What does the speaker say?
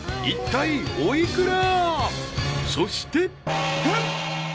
［そして］